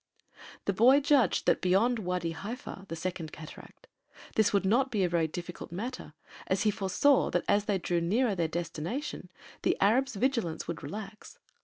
The boy judged that beyond Wâdi Haifa, the Second Cataract, this would not be a very difficult matter as he foresaw that as they drew nearer to their destination the Arabs' vigilance would relax.